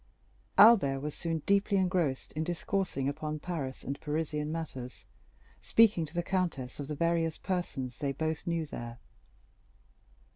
Albert was soon deeply engrossed in discoursing upon Paris and Parisian matters, speaking to the countess of the various persons they both knew there.